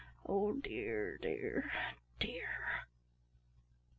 Oh dear, dear, dear!"